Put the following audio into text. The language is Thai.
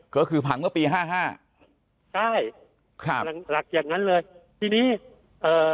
ก็คือพังเมื่อปีห้าห้าใช่ครับหลักหลักอย่างนั้นเลยทีนี้เอ่อ